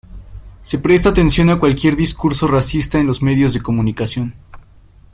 Se presta atención a cualquier discurso racista en los medios de comunicación.